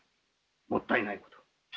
もったいないことを。